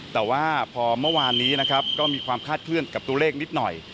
แต่ว่าพอเมื่อวานนี้ก็มีความฆ่าเคลื่อนตัวเลขนิดหน่อย